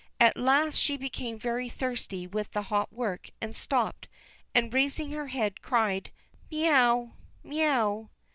At last she became very thirsty with the hot work, and stopped, and, raising her head, cried: "Miau, miau!"